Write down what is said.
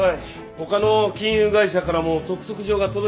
他の金融会社からも督促状が届いてました。